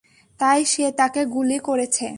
তাই সে তাকে গুলি করেছে।